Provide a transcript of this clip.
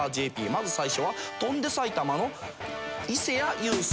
まず最初は『翔んで埼玉』の伊勢谷友介。